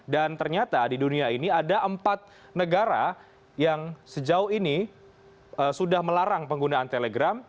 dan ternyata di dunia ini ada empat negara yang sejauh ini sudah melarang penggunaan telegram